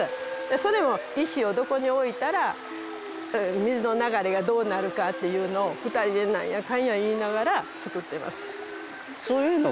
それも石をどこに置いたら水の流れがどうなるかっていうのを２人でなんやかんや言いながら造ってます。